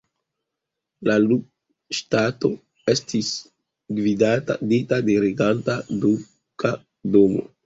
La Lu-ŝtato estis gvidita de reganta duka domo.